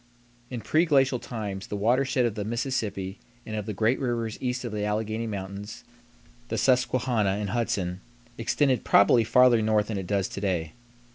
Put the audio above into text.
In preglacial times the watershed of the Mississippi and of the great rivers east of the Alleghany Mountains, the Susquehanna and Hudson, extended probably farther north than it does to day.